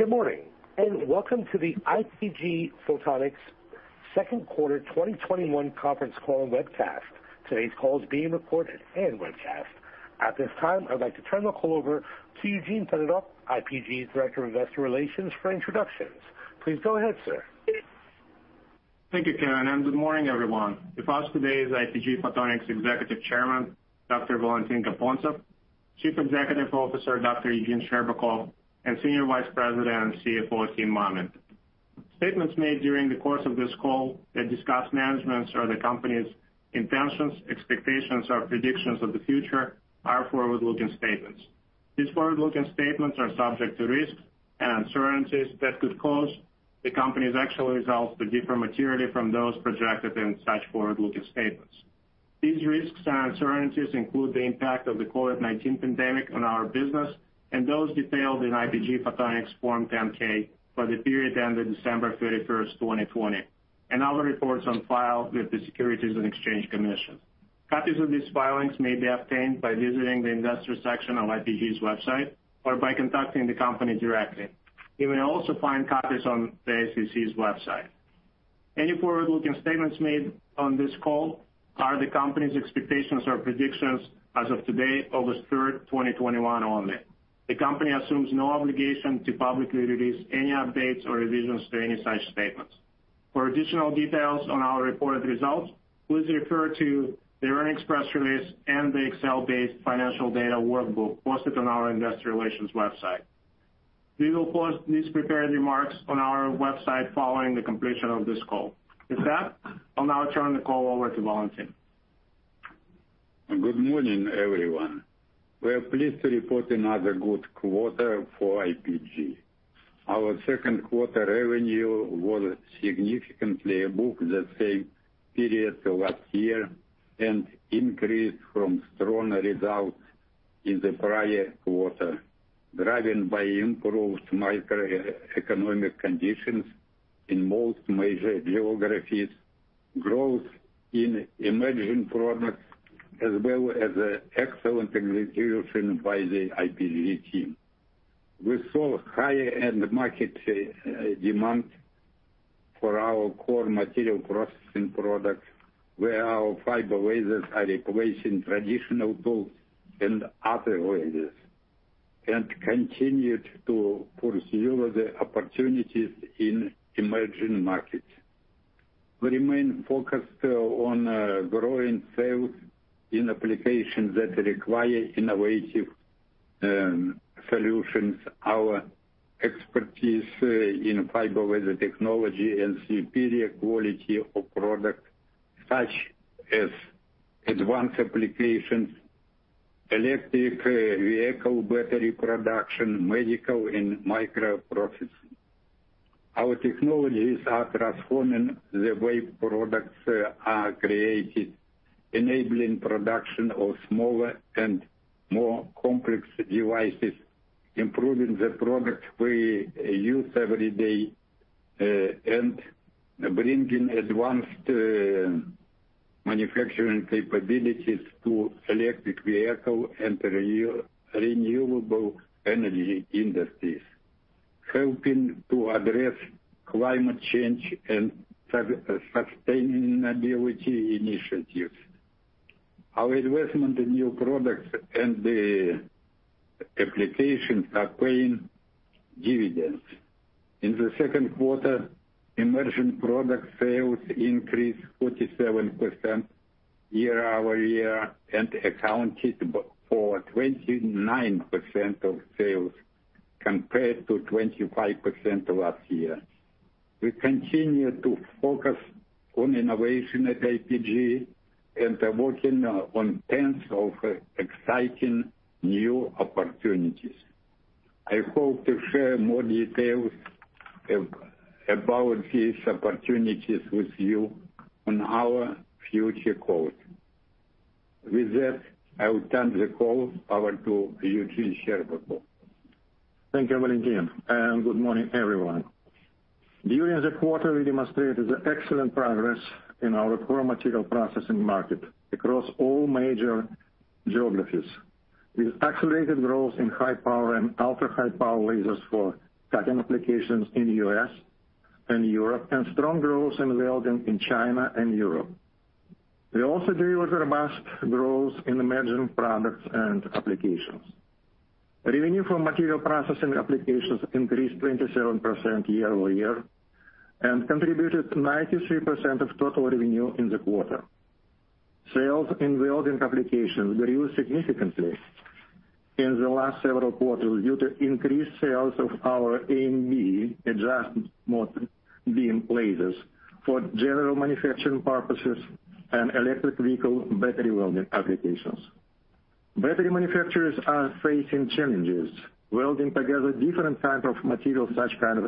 Good morning, and welcome to the IPG Photonics second quarter 2021 conference call and webcast. Today's call is being recorded and webcast. At this time, I would like to turn the call over to Eugene Fedotoff, IPG's Director of Investor Relations for introductions. Please go ahead, sir. Thank you, Ken, and good morning, everyone. With us today is IPG Photonics Executive Chairman, Dr. Valentin Gapontsev, Chief Executive Officer, Dr. Eugene Scherbakov, and Senior Vice President and CFO, Timothy Mammen. Statements made during the course of this call that discuss management's or the company's intentions, expectations, or predictions of the future are forward-looking statements. These forward-looking statements are subject to risks and uncertainties that could cause the company's actual results to differ materially from those projected in such forward-looking statements. These risks and uncertainties include the impact of the COVID-19 pandemic on our business and those detailed in IPG Photonics Form 10-K for the period ended December 31st, 2020, and other reports on file with the Securities and Exchange Commission. Copies of these filings may be obtained by visiting the investor section on IPG's website or by contacting the company directly. You may also find copies on the SEC's website. Any forward-looking statements made on this call are the company's expectations or predictions as of today, August 3rd, 2021 only. The company assumes no obligation to publicly release any updates or revisions to any such statements. For additional details on our reported results, please refer to the earnings press release and the Excel-based financial data workbook posted on our investor relations website. We will post these prepared remarks on our website following the completion of this call. With that, I'll now turn the call over to Valentin. Good morning, everyone. We are pleased to report another good quarter for IPG. Our second quarter revenue was significantly above the same period last year and increased from strong results in the prior quarter, driven by improved macroeconomic conditions in most major geographies, growth in emerging products, as well as excellent execution by the IPG team. We saw higher-end market demand for our core material processing products, where our fiber lasers are replacing traditional CO2 and other lasers, and continued to pursue the opportunities in emerging markets. We remain focused on growing sales in applications that require innovative solutions, our expertise in fiber laser technology, and superior quality of product, such as advanced applications, electric vehicle battery production, medical, and microprocessing. Our technologies are transforming the way products are created, enabling production of smaller and more complex devices, improving the products we use every day, and bringing advanced manufacturing capabilities to electric vehicle and renewable energy industries, helping to address climate change and sustainability initiatives. Our investment in new products and the applications are paying dividends. In the second quarter, emerging product sales increased 47% year-over-year and accounted for 29% of sales, compared to 25% last year. We continue to focus on innovation at IPG and are working on tens of exciting new opportunities. I hope to share more details about these opportunities with you on our future calls. With that, I will turn the call over to Eugene Scherbakov. Thank you, Valentin, and good morning, everyone. During the quarter, we demonstrated excellent progress in our core material processing market across all major geographies, with accelerated growth in high power and ultra-high power lasers for cutting applications in the U.S. and Europe and strong growth in welding in China and Europe. We also delivered robust growth in emerging products and applications. Revenue from material processing applications increased 27% year-over-year and contributed 93% of total revenue in the quarter. Sales in welding applications grew significantly in the last several quarters due to increased sales of our AMB, Adjustable Mode Beam lasers, for general manufacturing purposes and electric vehicle battery welding applications. Battery manufacturers are facing challenges welding together different type of materials such kind of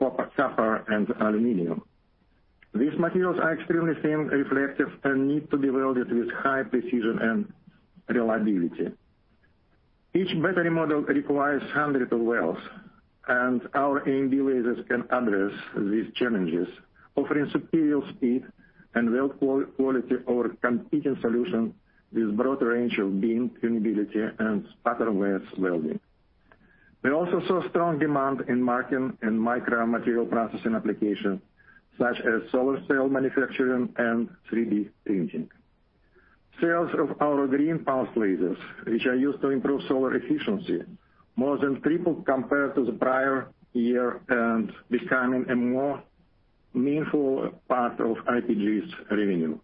copper and aluminum. These materials are extremely thin, reflective, and need to be welded with high precision and reliability. Each battery model requires hundreds of welds. Our AMB lasers can address these challenges, offering superior speed and weld quality over competing solutions with broad range of beam tunability and spatterless welding. We also saw strong demand in marking and micro material processing application, such as solar cell manufacturing and 3D printing. Sales of our green pulsed lasers, which are used to improve solar efficiency, more than tripled compared to the prior year and becoming a more meaningful part of IPG's revenue.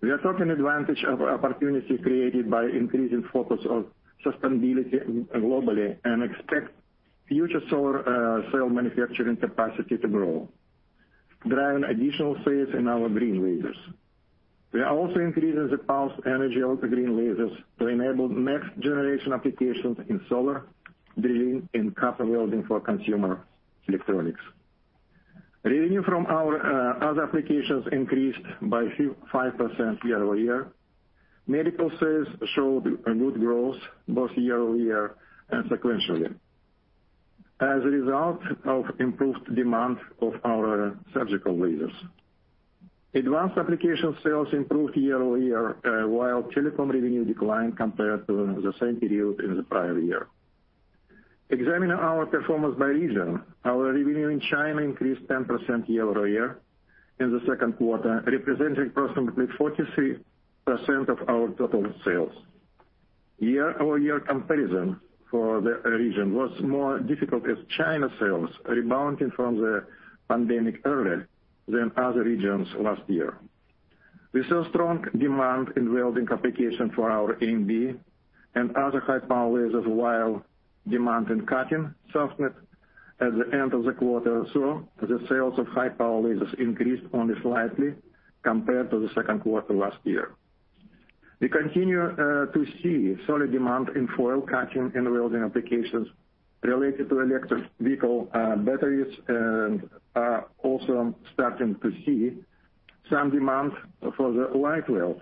We are taking advantage of opportunity created by increasing focus on sustainability globally and expect future solar cell manufacturing capacity to grow, driving additional sales in our green lasers. We are also increasing the pulsed energy of the green lasers to enable next-generation applications in solar, drilling, and copper welding for consumer electronics. Revenue from our other applications increased by 5% year-over-year. Medical sales showed a good growth both year-over-year and sequentially as a result of improved demand of our surgical lasers. Advanced application sales improved year-over-year, while telecom revenue declined compared to the same period in the prior year. Examine our performance by region. Our revenue in China increased 10% year-over-year in the second quarter, representing approximately 43% of our total sales. Year-over-year comparison for the region was more difficult as China sales rebounding from the pandemic earlier than other regions last year. We saw strong demand in welding application for our AMB and other high power lasers while demand in cutting softened at the end of the quarter. The sales of high power lasers increased only slightly compared to the second quarter last year. We continue to see solid demand in foil cutting and welding applications related to electric vehicle batteries and are also starting to see some demand for the LightWELD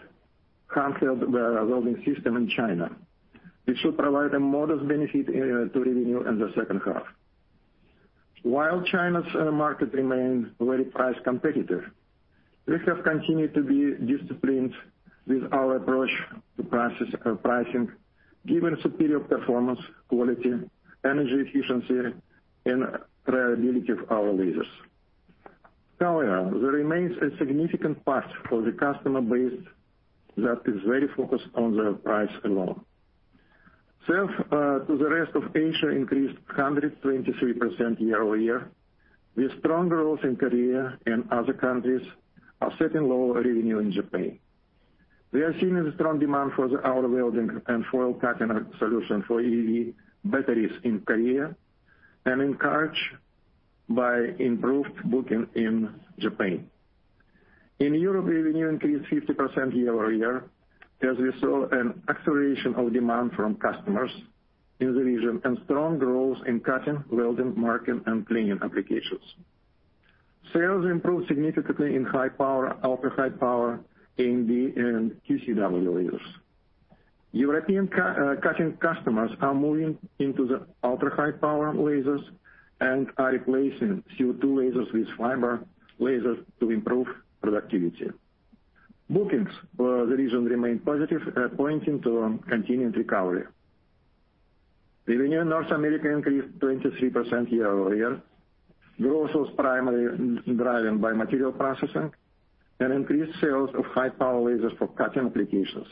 handheld welding system in China, which should provide a modest benefit to revenue in the second half. While China's market remains very price competitive, we have continued to be disciplined with our approach to pricing, given superior performance, quality, energy efficiency, and reliability of our lasers. There remains a significant part of the customer base that is very focused on the price alone. Sales to the rest of Asia increased 123% year-over-year, with strong growth in Korea and other countries offsetting lower revenue in Japan. We are seeing a strong demand for the outer welding and foil cutting solutions for EV batteries in Korea and encouraged by improved booking in Japan. In Europe, revenue increased 50% year-over-year as we saw an acceleration of demand from customers in the region and strong growth in cutting, welding, marking, and cleaning applications. Sales improved significantly in high power, ultra-high power AMB and QCW lasers. European cutting customers are moving into the ultra-high power lasers and are replacing CO2 lasers with fiber lasers to improve productivity. Bookings for the region remain positive, pointing to continued recovery. Revenue in North America increased 23% year-over-year. Growth was primarily driven by material processing and increased sales of high power lasers for cutting applications.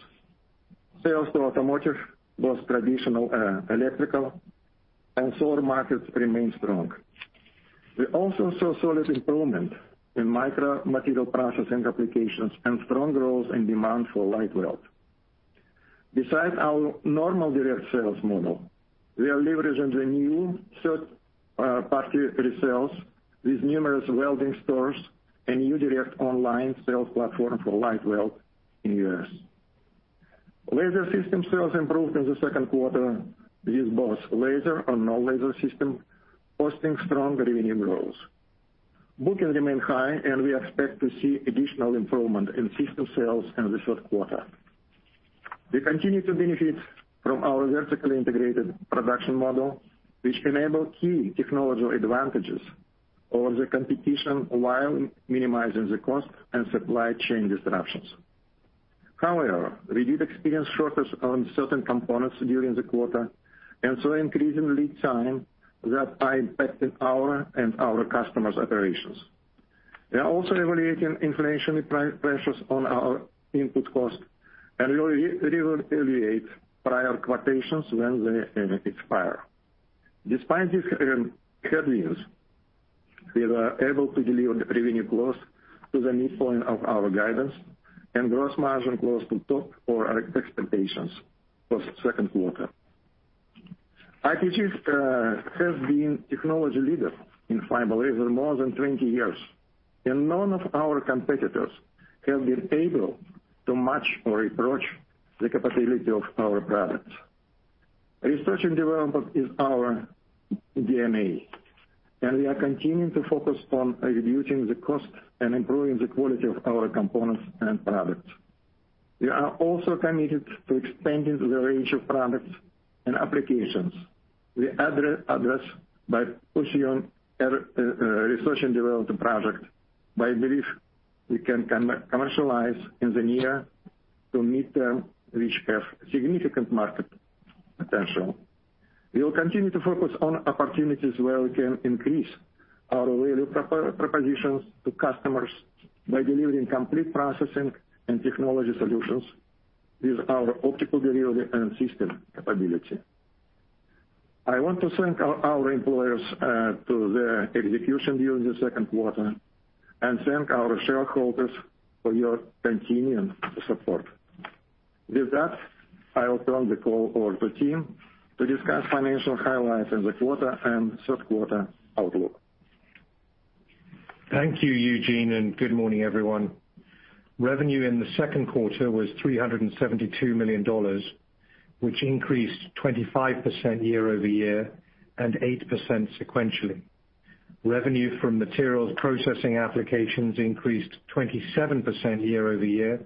Sales to automotive, both traditional, electrical and solar markets remained strong. We also saw solid improvement in micro material processing applications and strong growth in demand for LightWELD. Besides our normal direct sales model, we are leveraging the new third-party resales with numerous welding stores and new direct online sales platform for LightWELD in U.S. Laser system sales improved in the second quarter with both laser and non-laser system posting strong revenue growth. Booking remain high, and we expect to see additional improvement in system sales in the third quarter. We continue to benefit from our vertically integrated production model, which enable key technology advantages over the competition while minimizing the cost and supply chain disruptions. However, we did experience shortage on certain components during the quarter and saw increase in lead time that are impacting our and our customers' operations. We are also evaluating inflationary price pressures on our input cost and reevaluate prior quotations when they expire. Despite these headwinds, we were able to deliver the revenue growth to the midpoint of our guidance and gross margin growth to top our expectations for second quarter. IPG's has been technology leader in fiber laser more than 20 years, and none of our competitors have been able to match or approach the capability of our products. Research and development is our DNA, and we are continuing to focus on reducing the cost and improving the quality of our components and products. We are also committed to expanding the range of products and applications we address by pushing on research and development project we believe we can commercialize in the near term, which have significant market potential. We will continue to focus on opportunities where we can increase our value propositions to customers by delivering complete processing and technology solutions with our optical delivery and system capability. I want to thank our employers to their execution during the second quarter, and thank our shareholders for your continuing support. With that, I'll turn the call over to Tim to discuss financial highlights in the quarter and third quarter outlook. Thank you, Eugene, and good morning, everyone. Revenue in the second quarter was $372 million, which increased 25% year-over-year and 8% sequentially. Revenue from materials processing applications increased 27% year-over-year,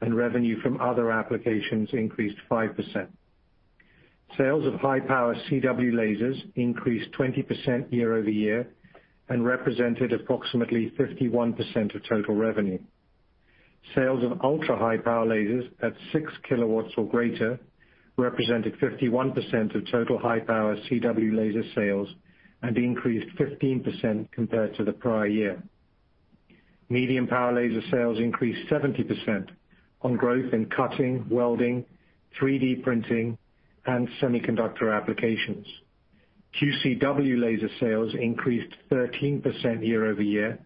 and revenue from other applications increased 5%. Sales of high-power CW lasers increased 20% year-over-year and represented approximately 51% of total revenue. Sales of ultra-high power lasers at 6 kW or greater represented 51% of total high-power CW laser sales and increased 15% compared to the prior year. Medium power laser sales increased 70% on growth in cutting, welding, 3D printing, and semiconductor applications. QCW laser sales increased 13% year-over-year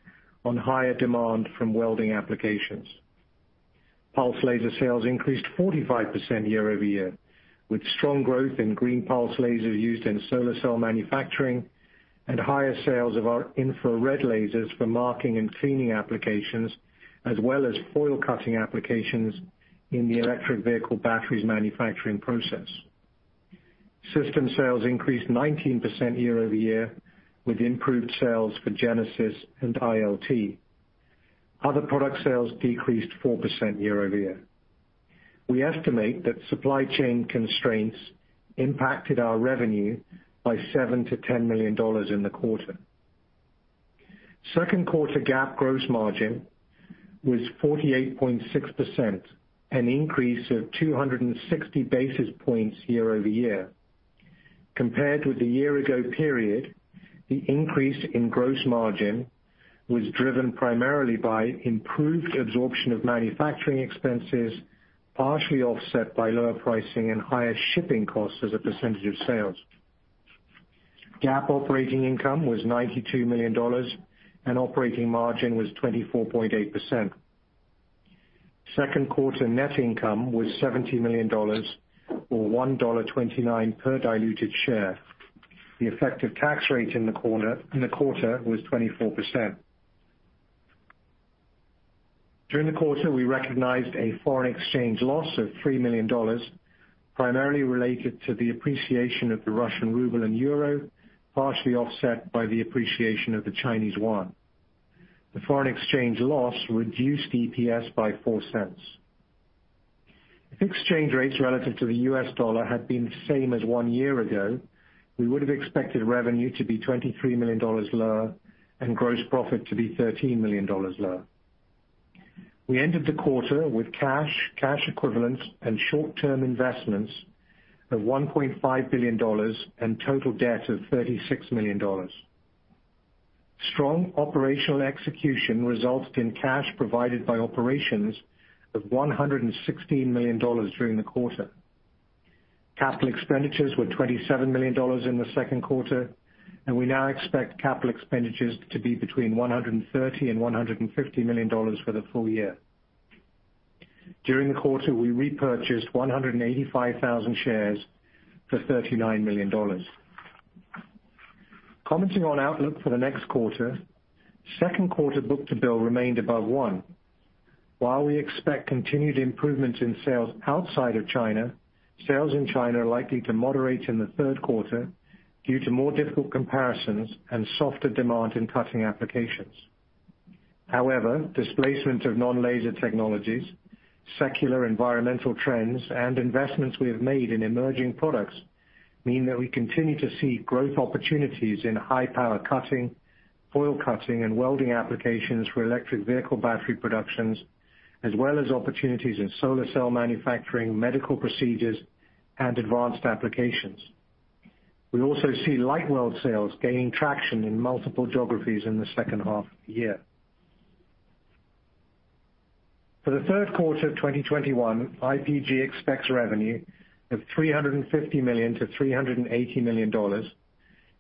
on higher demand from welding applications. Pulse laser sales increased 45% year-over-year, with strong growth in green pulsed lasers used in solar cell manufacturing and higher sales of our infrared lasers for marking and cleaning applications, as well as foil cutting applications in the electric vehicle batteries manufacturing process. System sales increased 19% year-over-year with improved sales for Genesis and ILT. Other product sales decreased 4% year-over-year. We estimate that supply chain constraints impacted our revenue by $7 million-$10 million in the quarter. Second quarter GAAP gross margin was 48.6%, an increase of 260 basis points year-over-year. Compared with the year ago period, the increase in gross margin was driven primarily by improved absorption of manufacturing expenses, partially offset by lower pricing and higher shipping costs as a percentage of sales. GAAP operating income was $92 million, and operating margin was 24.8%. Second quarter net income was $70 million or $1.29 per diluted share. The effective tax rate in the quarter was 24%. During the quarter, we recognized a foreign exchange loss of $3 million, primarily related to the appreciation of the Russian ruble and euro, partially offset by the appreciation of the Chinese yuan. The foreign exchange loss reduced EPS by $0.04. If exchange rates relative to the U.S. dollar had been the same as one year ago, we would have expected revenue to be $23 million lower and gross profit to be $13 million lower. We ended the quarter with cash equivalents, and short-term investments of $1.5 billion and total debt of $36 million. Strong operational execution resulted in cash provided by operations of $116 million during the quarter. Capital expenditures were $27 million in the second quarter, and we now expect capital expenditures to be between $130 million and $150 million for the full year. During the quarter, we repurchased 185,000 shares for $39 million. Commenting on outlook for the next quarter, second quarter book-to-bill remained above one. While we expect continued improvements in sales outside of China, sales in China are likely to moderate in the third quarter due to more difficult comparisons and softer demand in cutting applications. However, displacement of non-laser technologies, secular environmental trends, and investments we have made in emerging products mean that we continue to see growth opportunities in high-power cutting, foil cutting, and welding applications for electric vehicle battery productions, as well as opportunities in solar cell manufacturing, medical procedures, and advanced applications. We also see LightWELD sales gaining traction in multiple geographies in the second half of the year. For the third quarter of 2021, IPG expects revenue of $350 million-$380 million,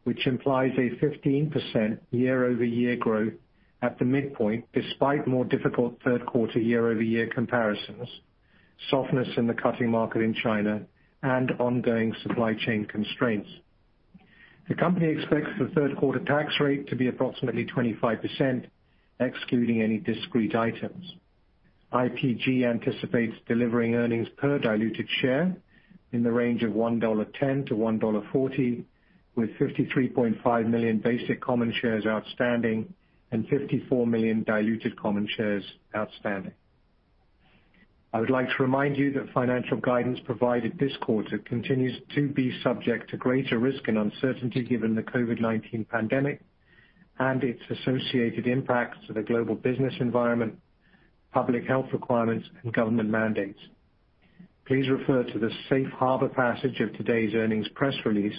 which implies a 15% year-over-year growth at the midpoint, despite more difficult third quarter year-over-year comparisons, softness in the cutting market in China, and ongoing supply chain constraints. The company expects the third quarter tax rate to be approximately 25%, excluding any discrete items. IPG anticipates delivering earnings per diluted share in the range of $1.10-$1.40, with 53.5 million basic common shares outstanding and 54 million diluted common shares outstanding. I would like to remind you that financial guidance provided this quarter continues to be subject to greater risk and uncertainty given the COVID-19 pandemic. Its associated impacts to the global business environment, public health requirements, and government mandates. Please refer to the safe harbor passage of today's earnings press release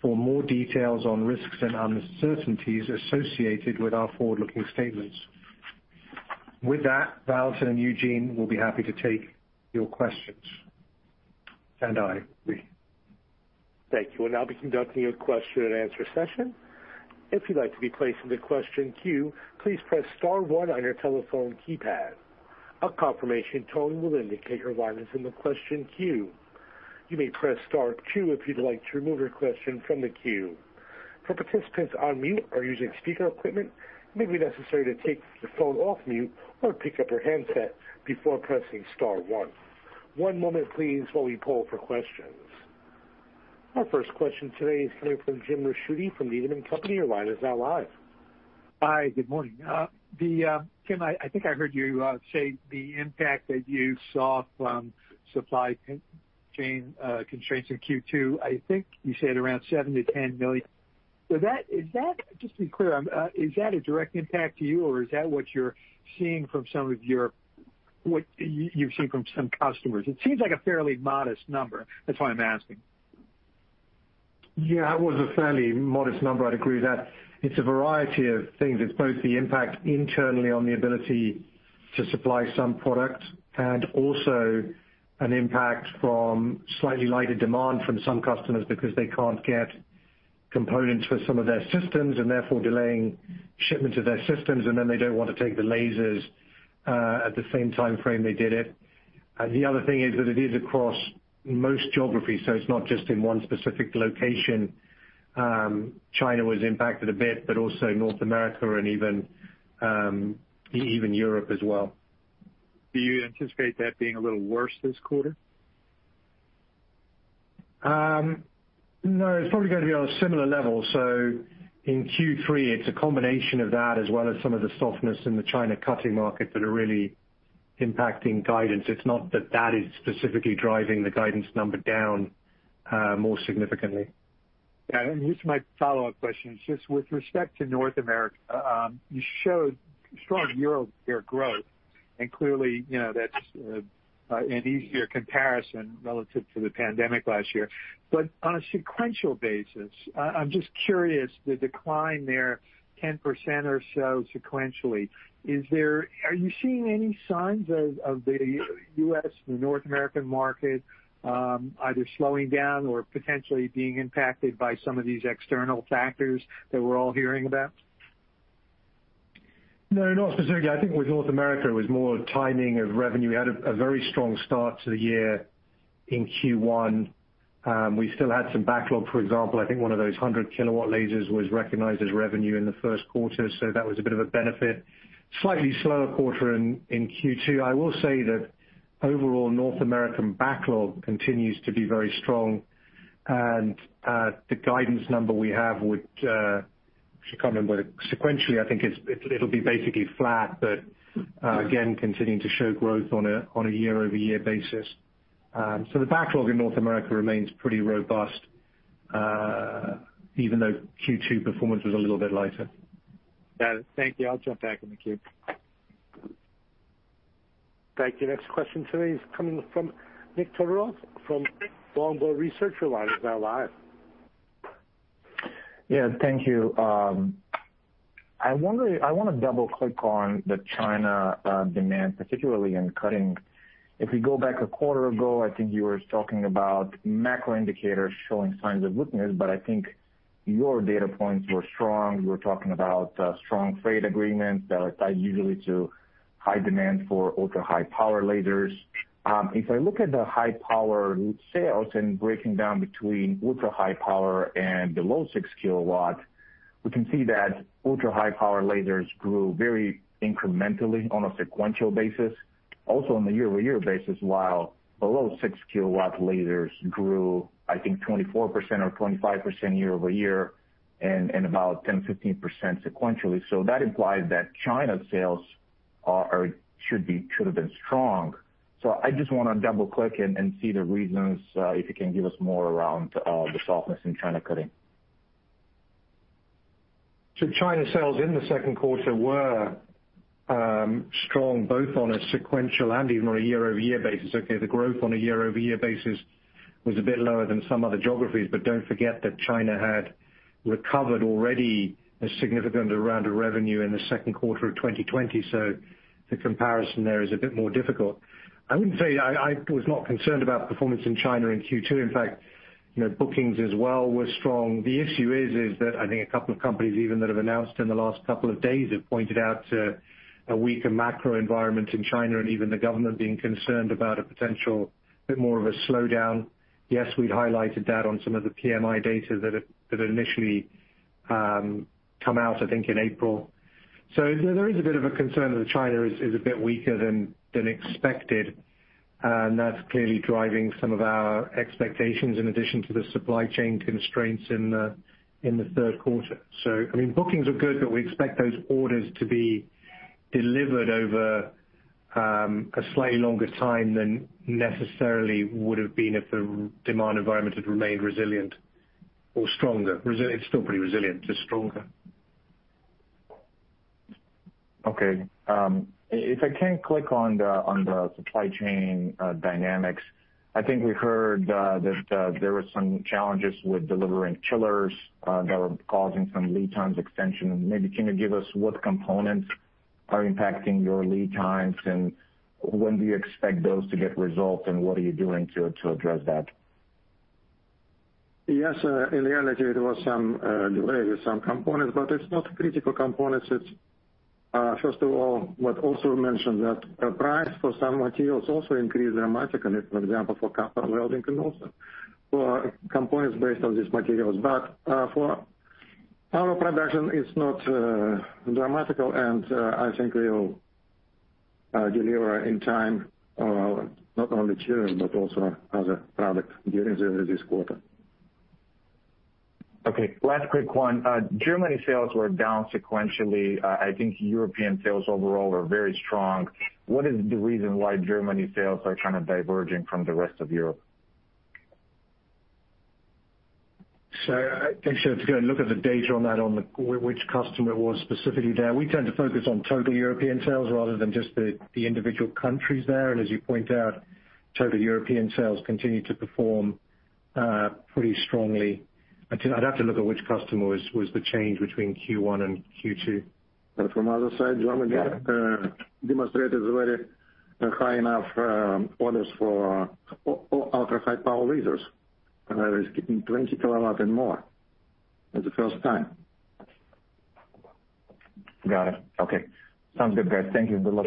for more details on risks and uncertainties associated with our forward-looking statements. With that, Valentin and Eugene will be happy to take your questions. Thank you. We'll now be conducting question-and-answer session. If you'd like to be placed in the queue, please press star one on your telephone keypad. Our confirmation tone will indicate once you are in the question queue. You may press star two if you'd like to remove your question from the queue. For participants using speaker equipment, it maybe necessary to take phone off mute or pickup your handset before pressing star one. One moment please as we pause for questions. Our first question today is coming from James Ricchiuti from Needham & Company. Your line is now live. Hi. Good morning. The, Tim, I think I heard you say the impact that you saw from supply chain constraints in Q2, I think you said around $7 million-$10 million. That, is that, just to be clear, is that a direct impact to you, or is that what you're seeing from some of your what you've seen from some customers? It seems like a fairly modest number, that's why I'm asking. Yeah, it was a fairly modest number. I'd agree with that. It's a variety of things. It's both the impact internally on the ability to supply some product and also an impact from slightly lighter demand from some customers because they can't get components for some of their systems and therefore delaying shipment of their systems, and then they don't want to take the lasers at the same timeframe they did it. The other thing is that it is across most geographies, so it's not just in one specific location. China was impacted a bit, but also North America and even Europe as well. Do you anticipate that being a little worse this quarter? No. It's probably gonna be on a similar level. In Q3, it's a combination of that as well as some of the softness in the China cutting market that are really impacting guidance. It's not that that is specifically driving the guidance number down, more significantly. Yeah. Here's my follow-up question. It's just with respect to North America, you showed strong year-over-year growth, and clearly, you know, that's an easier comparison relative to the pandemic last year. On a sequential basis, I'm just curious, the decline there 10% or so sequentially, are you seeing any signs of the U.S., the North American market, either slowing down or potentially being impacted by some of these external factors that we're all hearing about? No, not specifically. I think with North America, it was more timing of revenue. We had a very strong start to the year in Q1. We still had some backlog. For example, I think one of those 100 kW lasers was recognized as revenue in the first quarter, so that was a bit of a benefit. Slightly slower quarter in Q2. I will say that overall North American backlog continues to be very strong. The guidance number we have would I should comment on it sequentially, I think it will be basically flat, again, continuing to show growth on a year-over-year basis. The backlog in North America remains pretty robust, even though Q2 performance was a little bit lighter. Got it. Thank you. I'll jump back in the queue. Thank you. Next question today is coming from Nikolay Todorov from Longbow Research. Your line is now live. Thank you. I wonder, I want to double-click on the China demand, particularly in cutting. If we go back a quarter ago, I think you were talking about macro indicators showing signs of weakness, but I think your data points were strong. We're talking about strong trade agreements that are tied usually to high demand for ultra-high power lasers. If I look at the high power sales and breaking down between ultra-high power and below 6 kW, we can see that ultra-high power lasers grew very incrementally on a sequential basis, also on a year-over-year basis, while below 6 kW lasers grew, I think, 24% or 25% year-over-year and about 10%-15% sequentially. That implies that China sales should have been strong. I just wanna double-click and see the reasons, if you can give us more around, the softness in China cutting. China sales in the second quarter were strong both on a sequential and even on a year-over-year basis. Okay. The growth on a year-over-year basis was a bit lower than some other geographies, but don't forget that China had recovered already a significant round of revenue in the second quarter of 2020, so the comparison there is a bit more difficult. I wouldn't say I was not concerned about performance in China in Q2. In fact, you know, bookings as well were strong. The issue is that I think a couple of companies even that have announced in the last couple of days have pointed out to a weaker macro environment in China and even the government being concerned about a potential bit more of a slowdown. Yes, we'd highlighted that on some of the PMI data that had initially come out, I think, in April. There is a bit of a concern that China is a bit weaker than expected, and that's clearly driving some of our expectations in addition to the supply chain constraints in the third quarter. I mean, bookings are good, but we expect those orders to be delivered over a slightly longer time than necessarily would have been if the demand environment had remained resilient or stronger. It's still pretty resilient, just stronger. Okay. If I can click on the supply chain dynamics, I think we heard that there were some challenges with delivering chillers that were causing some lead times extension. Maybe can you give us what components are impacting your lead times? When do you expect those to get resolved, and what are you doing to address that? Yes, in reality, there was some delay with some components. It's not critical components. It's, first of all, what also mentioned that the price for some materials also increased dramatically, for example, for copper welding and also for components based on these materials. For our production, it's not dramatical. I think we will deliver in time, not only chillers but also other products during this quarter. Okay, last quick one. Germany sales were down sequentially. I think European sales overall are very strong. What is the reason why Germany sales are kind of diverging from the rest of Europe? I think you have to go and look at the data on that which customer was specifically there. We tend to focus on total European sales rather than just the individual countries there. As you point out, total European sales continue to perform pretty strongly. I'd have to look at which customer was the change between Q1 and Q2. From other side, Germany, demonstrated very high enough, orders for ultra high power lasers, is getting 20 kW and more for the first time. Got it. Okay. Sounds good, guys. Thank you. Good luck.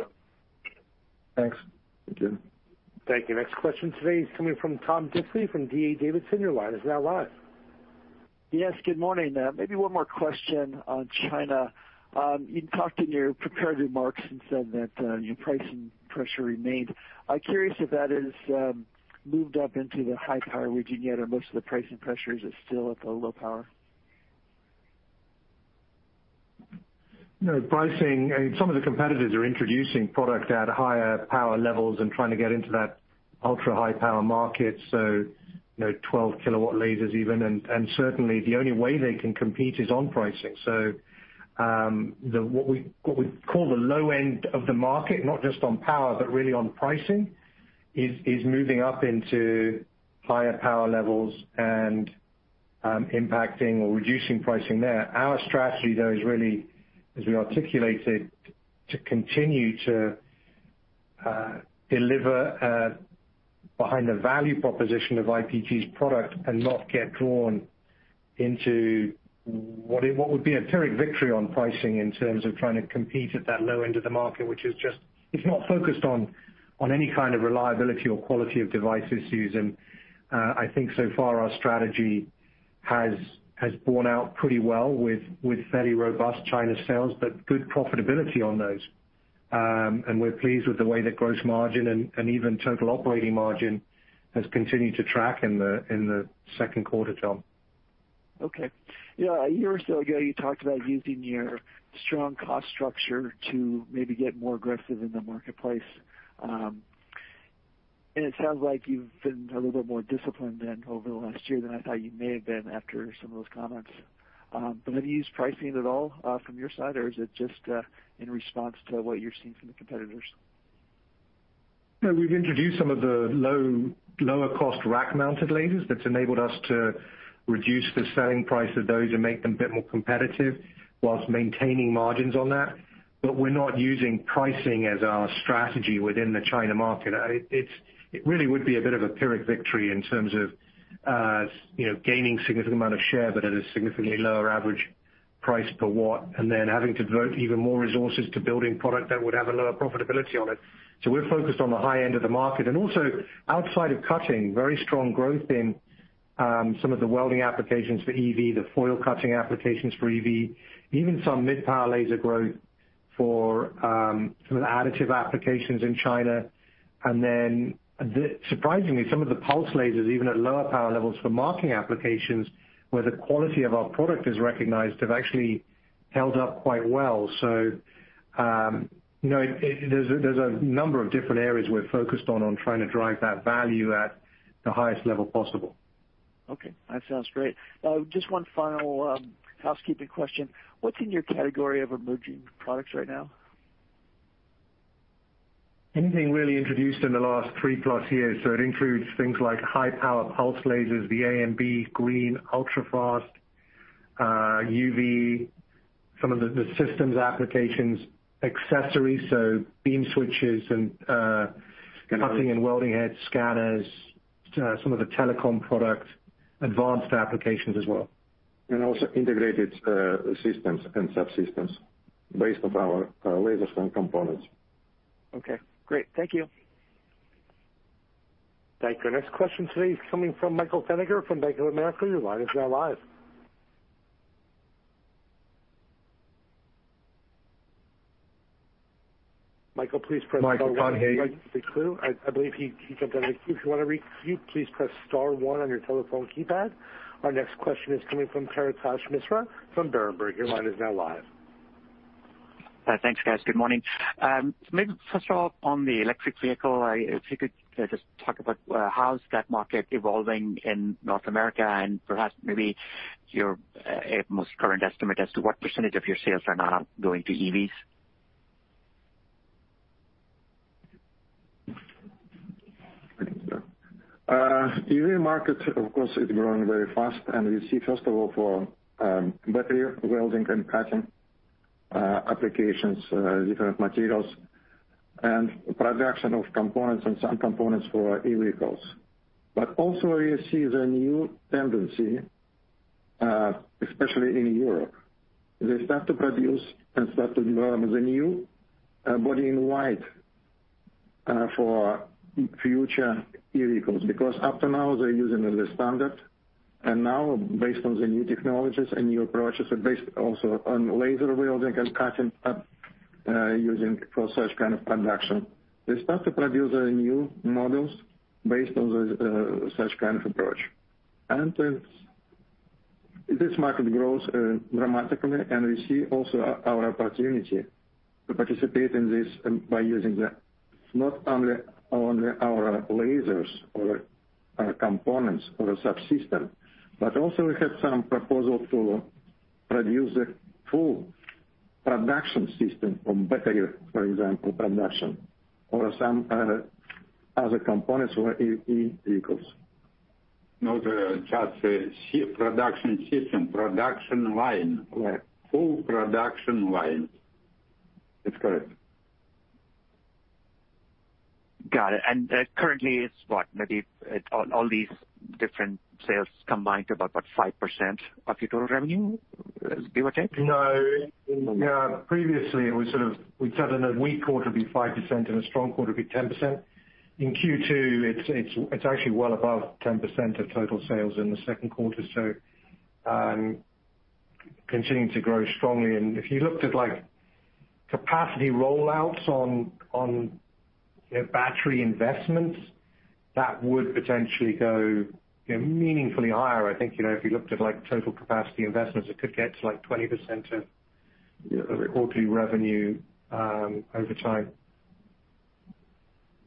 Thanks. Thank you. Thank you. Next question today is coming from Tom Diffely from D.A. Davidson. Your line is now live. Yes, good morning. Maybe one more question on China. You talked in your prepared remarks and said that your pricing pressure remains. I'm curious if that has moved up into the high power region yet or most of the pricing pressures are still at the low power. Some of the competitors are introducing product at higher power levels and trying to get into that ultra-high power market, so, you know, 12 kW lasers even. Certainly the only way they can compete is on pricing. What we call the low end of the market, not just on power, but really on pricing, is moving up into higher power levels and impacting or reducing pricing there. Our strategy, though, is really, as we articulated, to continue to deliver behind the value proposition of IPG's product and not get drawn into what would be a Pyrrhic victory on pricing in terms of trying to compete at that low end of the market, which is just, it's not focused on any kind of reliability or quality of devices used. I think so far our strategy has borne out pretty well with fairly robust China sales, but good profitability on those. We're pleased with the way that gross margin and even total operating margin has continued to track in the second quarter, Tom. Okay. You know, a year or so ago, you talked about using your strong cost structure to maybe get more aggressive in the marketplace. It sounds like you've been a little bit more disciplined then over the last year than I thought you may have been after some of those comments. Have you used pricing at all from your side, or is it just in response to what you're seeing from the competitors? No, we've introduced some of the low, lower cost rack-mounted lasers that's enabled us to reduce the selling price of those and make them a bit more competitive whilst maintaining margins on that. We're not using pricing as our strategy within the China market. It really would be a bit of a Pyrrhic victory in terms of, you know, gaining significant amount of share, but at a significantly lower average price per watt, and then having to devote even more resources to building product that would have a lower profitability on it. We're focused on the high end of the market and also outside of cutting, very strong growth in some of the welding applications for EV, the foil cutting applications for EV, even some mid power laser growth for some of the additive applications in China. Surprisingly, some of the pulse lasers, even at lower power levels for marking applications where the quality of our product is recognized, have actually held up quite well. You know, there's a number of different areas we're focused on trying to drive that value at the highest level possible. Okay, that sounds great. Just one final housekeeping question. What's in your category of emerging products right now? Anything really introduced in the last 3+ years. It includes things like high power pulse lasers, the AMB green ultrafast, UV, some of the systems applications, accessories, beam switches, cutting and welding heads, scanners, some of the telecom products, advanced applications as well. Also integrated systems and subsystems based of our laser strength components. Okay, great. Thank you. Thank you. Next question today is coming from Michael Feniger from Bank of America. Your line is now live. Michael, please press star one. Michael, can't hear you. If you'd like to speak to, I believe he jumped on the queue. If you want to re-queue, please press star one on your telephone keypad. Our next question is coming from Piyush Mishra from Berenberg. Your line is now live. Thanks guys. Good morning. Maybe first of all, on the electric vehicle, if you could just talk about how's that market evolving in North America, and perhaps maybe your most current estimate as to what percentage of your sales are now going to EVs. EV market, of course, is growing very fast. We see, first of all, for battery welding and cutting applications, different materials and production of components and some components for e-vehicles. Also you see the new tendency, especially in Europe. They start to produce and start to develop the new body in white for future e-vehicles. Because up to now they're using the standard, and now based on the new technologies and new approaches, and based also on laser welding and cutting using for such kind of production. They start to produce the new models based on the such kind of approach. This market grows dramatically, and we see also our opportunity to participate in this by using the not only our lasers or our components or a subsystem, but also we have some proposal to produce a full production system from battery, for example, production or some other components for EV vehicles. Not, just a production system, production line, like full production line. It's correct. Got it. Currently it's what? Maybe all these different sales combined to about, what, 5% of your total revenue? Give or take? No. Previously we'd said in a weak quarter it would be 5%, in a strong quarter it would be 10%. In Q2, it's actually well above 10% of total sales in the second quarter, so continuing to grow strongly. If you looked at, like, capacity rollouts on, you know, battery investments, that would potentially go, you know, meaningfully higher. I think, you know, if you looked at, like, total capacity investments, it could get to, like, 20% of quarterly revenue over time.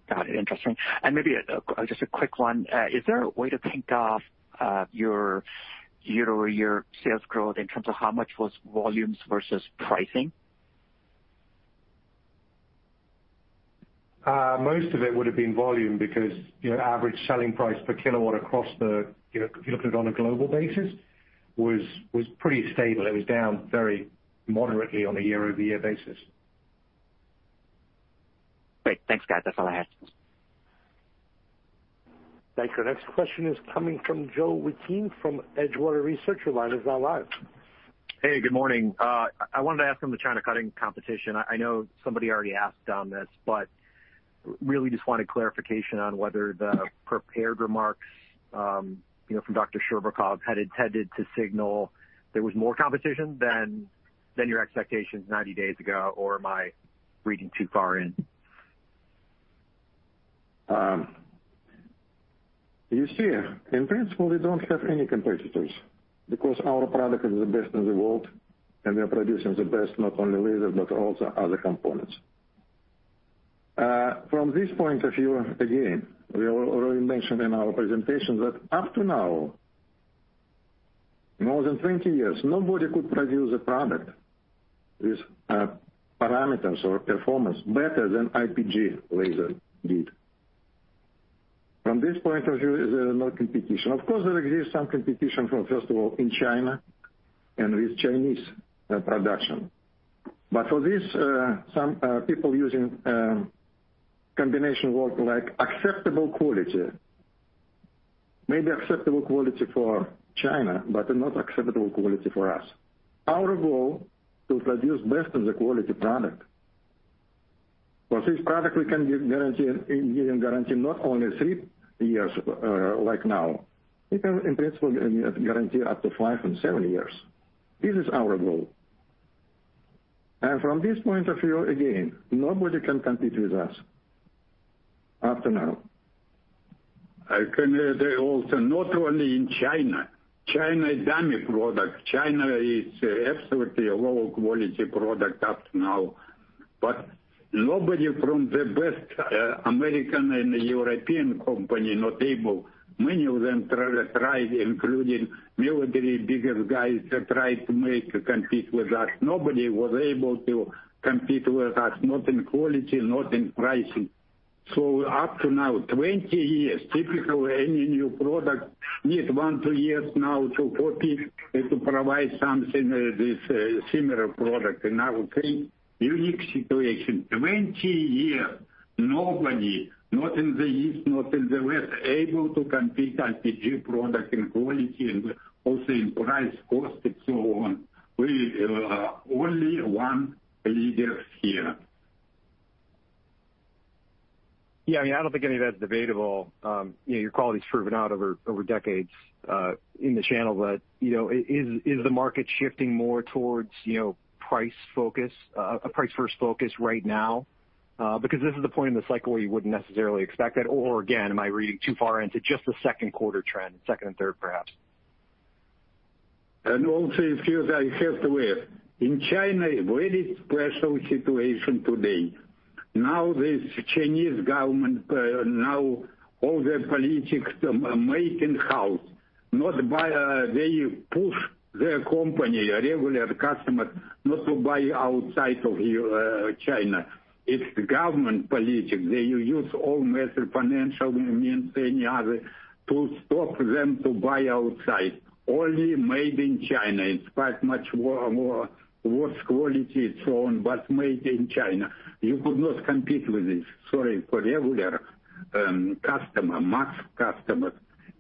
Got it. Interesting. Maybe just a quick one. Is there a way to think of your year-over-year sales growth in terms of how much was volumes versus pricing? Most of it would have been volume because, you know, average selling price per kilowatt across the, you know, if you looked at it on a global basis, was pretty stable. It was down very moderately on a year-over-year basis. Great. Thanks, guys. That's all I had. Thank you. Next question is coming from Joe Wittine from Edgewater Research. Your line is now live. Hey, good morning. I wanted to ask on the China cutting competition. I know somebody already asked on this, really just wanted clarification on whether the prepared remarks, you know, from Dr. Scherbakov had intended to signal there was more competition than your expectations 90 days ago, or am I reading too far in? You see, in principle, we don't have any competitors because our product is the best in the world, and we are producing the best, not only laser, but also other components. From this point of view, again, we already mentioned in our presentation that up to now, more than 20 years, nobody could produce a product with parameters or performance better than IPG laser did. From this point of view, there's no competition. Of course, there exists some competition from, first of all, in China and with Chinese production. For this, some people using combination word like acceptable quality. Maybe acceptable quality for China, but not acceptable quality for us. Our goal to produce best in the quality product. For this product, we can give guarantee, engine guarantee not only three years, like now. We can in principle guarantee up to five and seven years. This is our goal. From this point of view, again, nobody can compete with us up to now. I can add also, not only in China. China is dummy product. China is absolutely a low-quality product up to now. Nobody from the best American and European company not able. Many of them tried, including military, biggest guys that tried to compete with us. Nobody was able to compete with us, not in quality, not in pricing. Up to now, 20 years, typically any new product need one, two years now to copy and to provide something, this similar product. Now we create unique situation. 20 year, nobody, not in the east, not in the west, able to compete IPG product in quality and also in price, cost and so on. We only one leaders here. Yeah. I mean, I don't think any of that's debatable. You know, your quality's proven out over decades in the channel. You know, is the market shifting more towards, you know, price focus, a price-first focus right now? Because this is the point in the cycle where you wouldn't necessarily expect it. Again, am I reading too far into just the second quarter trend, second and third, perhaps? Also a few that I have to add. In China, a very special situation today. This Chinese government, now all the politics made in house, not by, they push their company, regular customers, not to buy outside of China. It's government politics. They use all method, financial means, any other, to stop them to buy outside. Only made in China. It's quite much worse quality and so on, but made in China. You could not compete with this. Sorry, for regular customer, mass customer,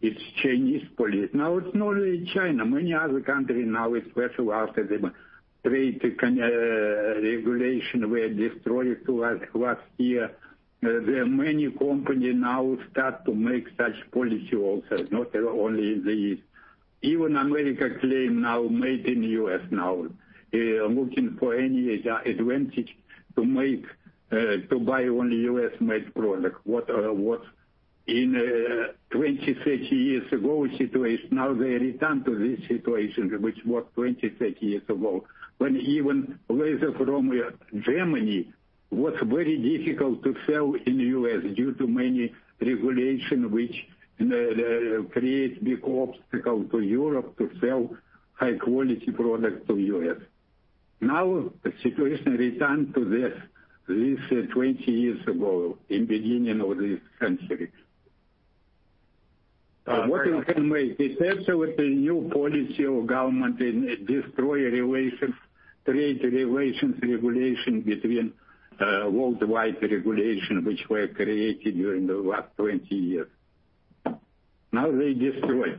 it's Chinese policy. It's not only China. Many other country now, especially after the trade regulation were destroyed last year. There are many company now start to make such policy also, not only the East. Even America claim now made in U.S. now. Looking for any advantage to make, to buy only U.S.-made product. What in 20, 30 years ago situation, now they return to this situation which was 20, 30 years ago, when even laser from Germany was very difficult to sell in U.S. due to many regulation which create big obstacle to Europe to sell high quality product to U.S. Now the situation return to this 20 years ago, in beginning of this century. Great- What you can make? It helps with the new policy of government and destroy relations, trade relations regulation between, worldwide regulation which were created during the last 20 years. Now they destroy.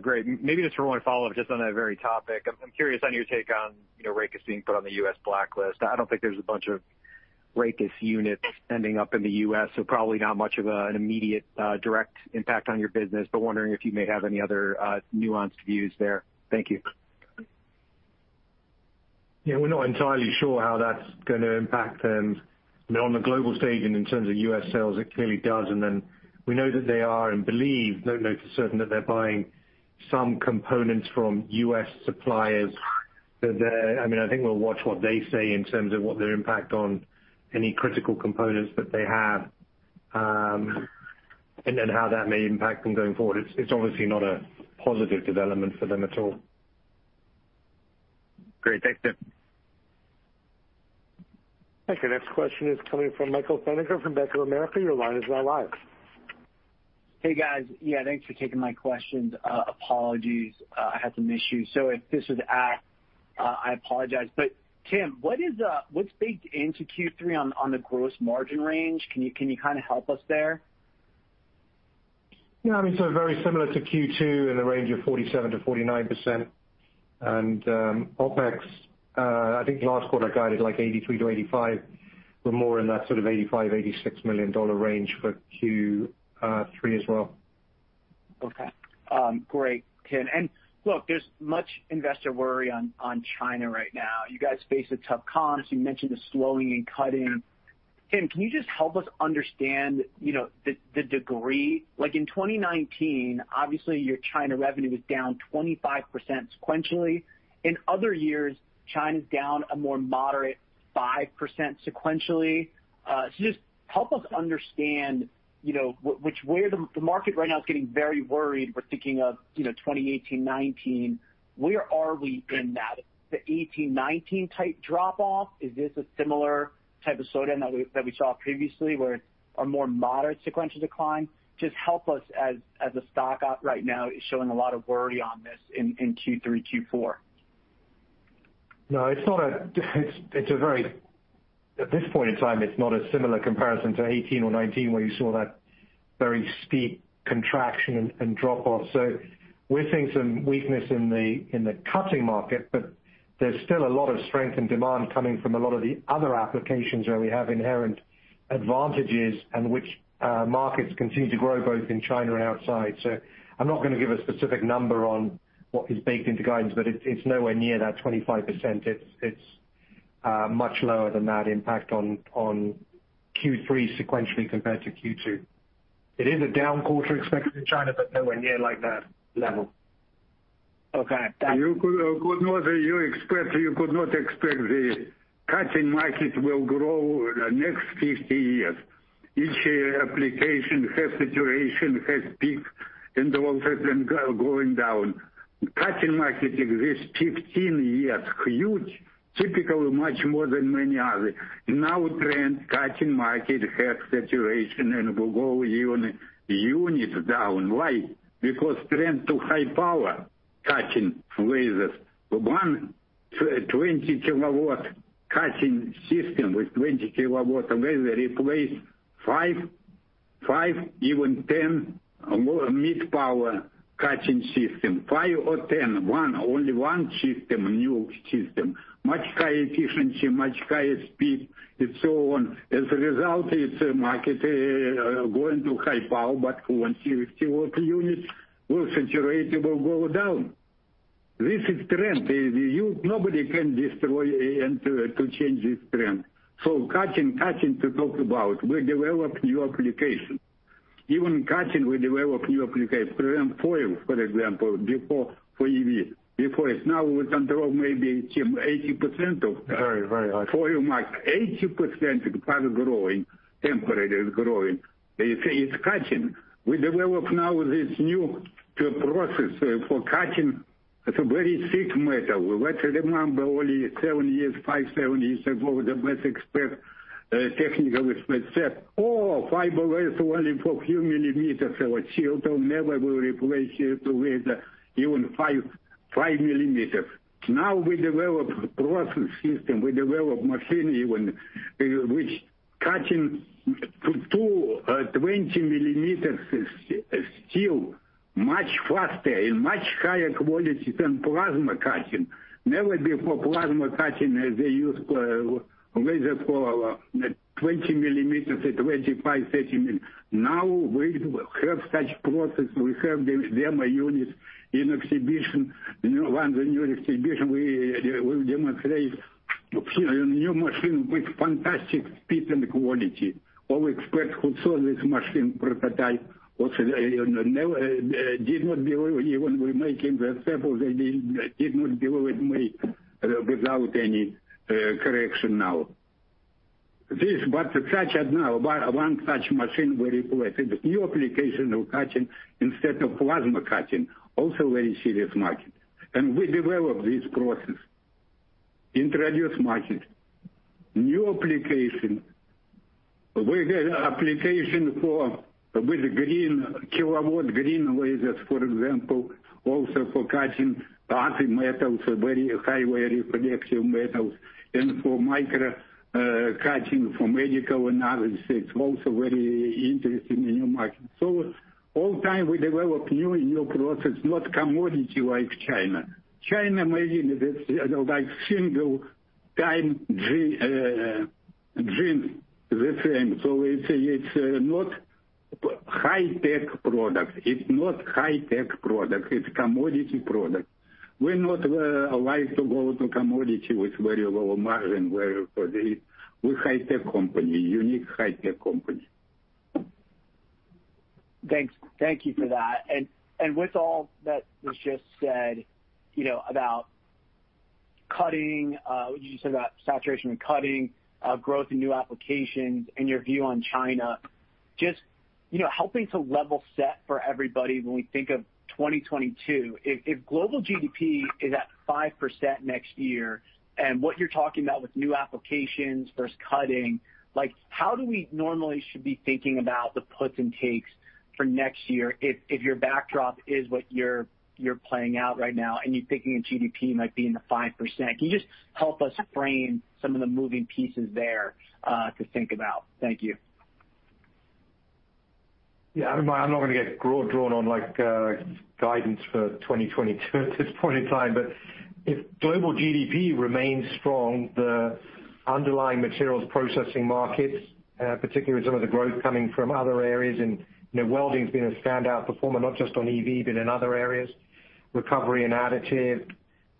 Great. Maybe just one follow-up just on that very topic. I'm curious on your take on, you know, Raycus being put on the U.S. blacklist. I don't think there's a bunch of Raycus units ending up in the U.S., so probably not much of an immediate direct impact on your business. Wondering if you may have any other nuanced views there. Thank you. We're not entirely sure how that's gonna impact them. You know, on the global stage and in terms of U.S. sales, it clearly does, and then we know that they are, and believe, don't know for certain, that they're buying some components from U.S. suppliers. I mean, I think we'll watch what they say in terms of what their impact on any critical components that they have, and then how that may impact them going forward. It's obviously not a positive development for them at all. Great. Thanks, Tim. Okay, next question is coming from Michael Feniger from Bank of America. Your line is now live. Hey, guys. Yeah, thanks for taking my questions. Apologies, I had some issues. If this was asked, I apologize. Tim, what is, what's baked into Q3 on the gross margin range? Can you kind of help us there? Yeah, I mean, very similar to Q2 in the range of 47%-49%. OpEx, I think last quarter guided like $83 million-$85 million. We're more in that sort of $85 million-$86 million range for Q3 as well. Okay. Great, Tim. Look, there's much investor worry on China right now. You guys face the tough comps. You mentioned the slowing in cutting. Tim, can you just help us understand, you know, the degree? Like in 2019, obviously your China revenue was down 25% sequentially. In other years, China's down a more moderate 5% sequentially. Just help us understand, you know, where the market right now is getting very worried. We're thinking of, you know, 2018, 2019. Where are we in that? The 2018, 2019 type drop off, is this a similar type of slowdown that we saw previously where a more moderate sequential decline? Just help us as the stock out right now is showing a lot of worry on this in Q3, Q4. No, it's not a very. At this point in time, it's not a similar comparison to 2018 or 2019, where you saw that very steep contraction and drop off. We're seeing some weakness in the cutting market, but there's still a lot of strength and demand coming from a lot of the other applications where we have inherent advantages and which markets continue to grow both in China and outside. I'm not gonna give a specific number on what is baked into guidance, but it's nowhere near that 25%. It's much lower than that impact on Q3 sequentially compared to Q2. It is a down quarter expected in China, but nowhere near like that level. Okay. You could not expect the cutting market will grow the next 50 years. Each application has saturation, has peak, and also then going down. Cutting market exists 15 years, huge, typically much more than many other. Now trend, cutting market has saturation and will go even units down. Why? Because trend to high power cutting lasers. 1 20 kW cutting system with 20 kW laser replace five, even 10 mid-power cutting system. Five or 10, one, only one system, new system. Much higher efficiency, much higher speed and so on. As a result, it's a market going to high power, but 20 kW units will saturate, it will go down. This is trend. Nobody can destroy and to change this trend. Cutting to talk about, we develop new application. Even cutting, we develop new application. Even foil, for example, before for EV. Before it's now we control maybe 80% of that. Very, very high. Foil market, 80% is fast-growing, temporarily is growing. It's cutting. We develop now this new process for cutting. It's a very thick metal. We want to remember only seven years, five, seven years ago, the best expert, technical expert said, "Oh, fiber laser only for few millimeters. Our CO2 never will replace it with even 5 mm." Now we develop process system, we develop machine even, which cutting to two, 20 mm is steel much faster and much higher quality than plasma cutting. Never before plasma cutting they use laser for 20 mm or 25 mm, 30 mm. Now we have such process. We have the demo units in exhibition. In one the new exhibition we will demonstrate new machine with fantastic speed and quality. All experts who saw this machine prototype was never, did not believe when we make in the sample, they did not believe me without any correction now. This but such as now, one such machine we replace it with new application of cutting instead of plasma cutting, also very serious market. We develop this process, introduce market. New application. We get application for with green kilowatt, green lasers, for example, also for cutting hardy metals, very high reflection metals, and for micro cutting for medical analysis. It's also very interesting new market. All time we develop new and new process, not commodity like China. China maybe that's like single time generic the same. It's a, it's not high-tech product. It's not high-tech product. It's commodity product. We're not like to go to commodity with very low margin where for the, we high-tech company, unique high-tech company. Thanks. Thank you for that. With all that was just said, you know, about cutting, you just said about saturation and cutting growth in new applications and your view on China, just, you know, helping to level set for everybody when we think of 2022, if global GDP is at 5% next year, and what you're talking about with new applications versus cutting, like how do we normally should be thinking about the puts and takes for next year if your backdrop is what you're playing out right now and you're thinking GDP might be in the 5%? Can you just help us frame some of the moving pieces there to think about? Thank you. I'm not gonna get drawn on like guidance for 2022 at this point in time. If global GDP remains strong, the underlying materials processing markets, particularly some of the growth coming from other areas and, you know, welding's been a standout performer, not just on EV, but in other areas. Recovery and additive,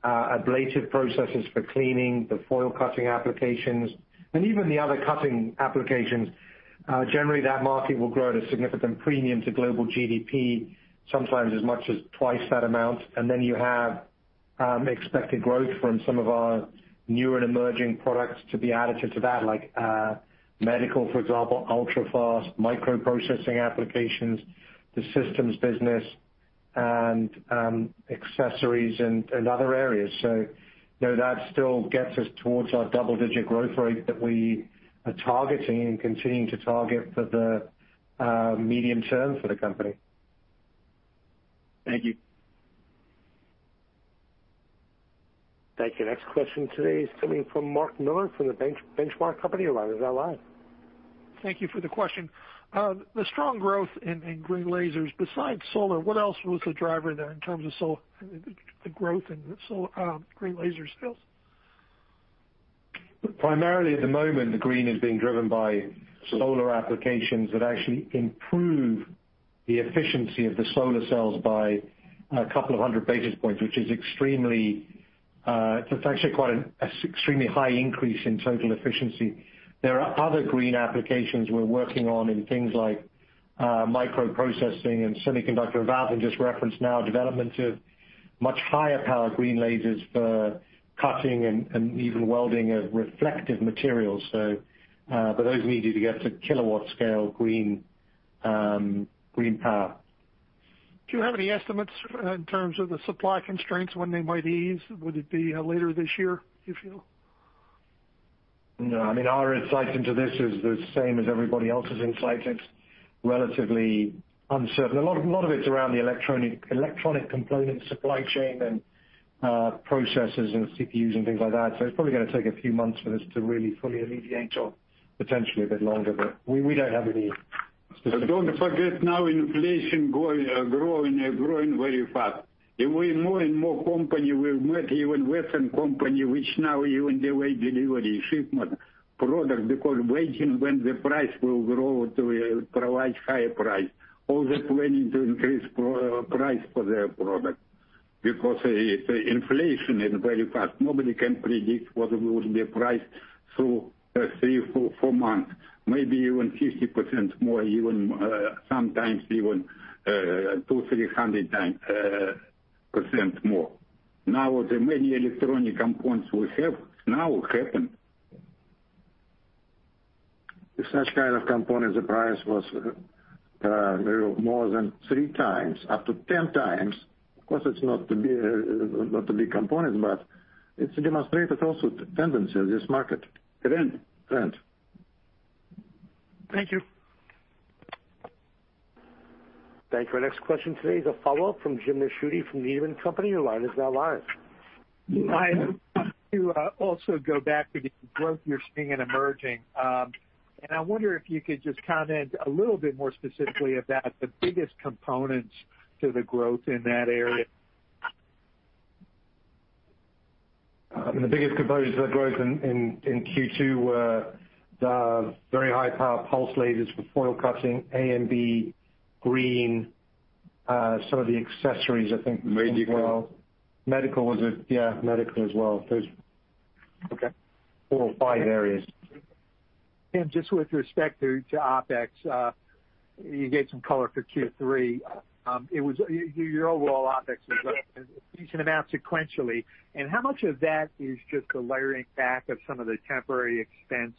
ablative processes for cleaning, the foil cutting applications, and even the other cutting applications, generally that market will grow at a significant premium to global GDP, sometimes as much as twice that amount. Then you have expected growth from some of our newer and emerging products to be added to that like medical, for example, ultra-fast microprocessing applications, the systems business and accessories and other areas. You know, that still gets us towards our double-digit growth rate that we are targeting and continuing to target for the medium term for the company. Thank you. Thank you. Next question today is coming from Mark Miller from The Benchmark Company, operator line. Thank you for the question. The strong growth in green lasers, besides solar, what else was the driver there in terms of the growth in the green laser sales? Primarily at the moment, the green is being driven by solar applications that actually improve the efficiency of the solar cells by 200 basis points, which is extremely, it's actually quite an extremely high increase in total efficiency. There are other green applications we're working on in things like microprocessing and semiconductor valves, and just referenced now development of much higher power green lasers for cutting and even welding of reflective materials. But those need you to get to kilowatt scale green power. Do you have any estimates in terms of the supply constraints, when they might ease? Would it be later this year, do you feel? I mean, our insight into this is the same as everybody else's insight. It's relatively uncertain. A lot of it's around the electronic component supply chain and processors and CPUs and things like that. It's probably gonna take a few months for this to really fully alleviate or potentially a bit longer, but we don't have any specific. Don't forget now inflation growing very fast. The way more and more company will make even Western company, which now even delay delivery, shipment product because waiting when the price will grow to provide higher price. All the planning to increase price for their product. The inflation is very fast. Nobody can predict what will be a price through three, four months, maybe even 50% more, even sometimes even 200%-300% more. Now, the many electronic components we have now happened. With such kind of components, the price was more than three times, up to 10 times. Of course, it's not the big, not the big component, but it demonstrates also the tendency of this market. Trend. Trend. Thank you. Thank you. Our next question today is a follow-up from James Ricchiuti from Needham & Company. Your line is now live. Tim, I want to also go back to the growth you're seeing in emerging. I wonder if you could just comment a little bit more specifically about the biggest components to the growth in that area. The biggest components of the growth in Q2 were the very high power pulse lasers for foil cutting, AMB, green, some of the accessories, I think as well. Medical. Medical, was it? Yeah, medical as well. Okay. Four or five areas. Just with respect to OpEx, you gave some color for Q3. Your overall OpEx was up a decent amount sequentially. How much of that is just the layering back of some of the temporary expense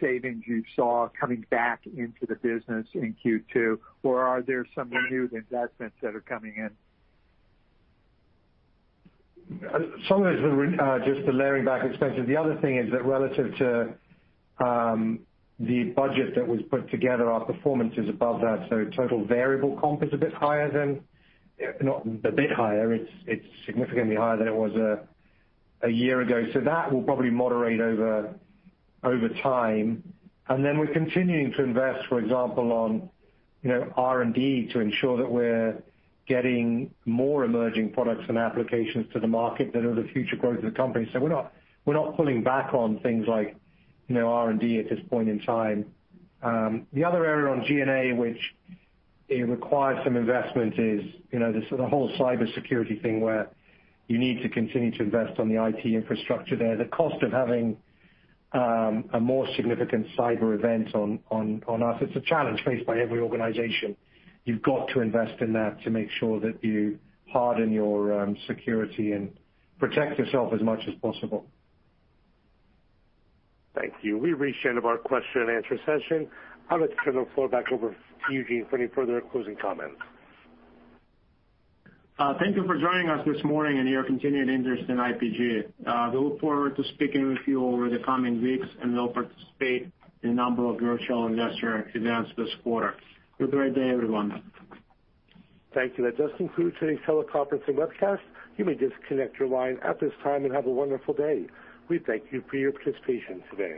savings you saw coming back into the business in Q2? Or are there some renewed investments that are coming in? Some of it is just the layering back expenses. The other thing is that relative to the budget that was put together, our performance is above that. Total variable comp is a bit higher than. Not a bit higher, it's significantly higher than it was a year ago. That will probably moderate over time. We're continuing to invest, for example, on, you know, R&D to ensure that we're getting more emerging products and applications to the market that are the future growth of the company. We're not pulling back on things like, you know, R&D at this point in time. The other area on G&A which it requires some investment is, you know, the whole cybersecurity thing where you need to continue to invest on the IT infrastructure there. The cost of having a more significant cyber event on us, it's a challenge faced by every organization. You've got to invest in that to make sure that you harden your security and protect yourself as much as possible. Thank you. We've reached the end of our question and answer session. I'll now turn the floor back over to Eugene for any further closing comments. Thank you for joining us this morning and your continued interest in IPG. We look forward to speaking with you over the coming weeks, and we'll participate in a number of virtual investor events this quarter. Have a great day, everyone. Thank you. That does conclude today's teleconference and webcast. You may disconnect your line at this time and have a wonderful day. We thank you for your participation today.